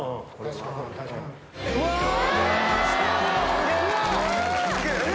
すげぇ！え